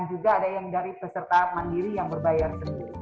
dan juga ada yang dari peserta mandiri yang berbayar uang